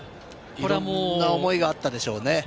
いろんな思いがあったでしょうね。